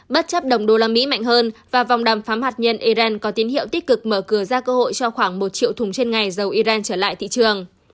bất chấp đồng đô la mỹ mạnh hơn và vòng đàm phán hạt nhân iran có tín hiệu tích cực mở cửa ra cơ hội cho khoảng một triệu thùng trên ngày dầu iran trở lại thị trường